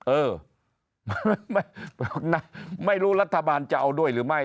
เออไม่รู้รัฐบาลจะเอาด้วยหรือไม่